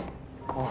ああ